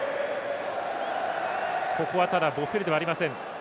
ここはただボッフェーリではありません。